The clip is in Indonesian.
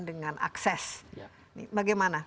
dengan akses bagaimana